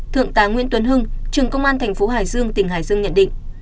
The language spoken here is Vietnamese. thượng tá nguyễn tuấn hưng trường công an tp hải dương tỉnh hải dương nhận định